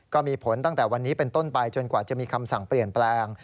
ก็มีผลตั้งแต่วันนี้เป็นต้นไปจนกว่าจะมีคำสั่งเปลี่ยนแปลง